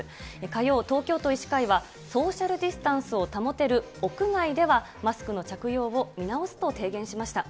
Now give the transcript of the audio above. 火曜、東京都医師会は、ソーシャルディスタンスを保てる屋外ではマスクの着用を見直すと提言しました。